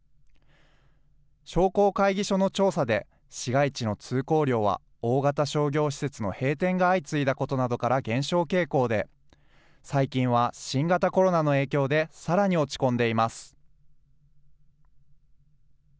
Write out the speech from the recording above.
商工会議所の調査で、市街地の通行量は大型商業施設の閉店が相次いだことから、減少傾向で、最近は新型コロナの影響でさらに落ち込んでいます。